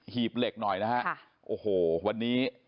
ีบเหล็กหน่อยนะฮะโอ้โหวันนี้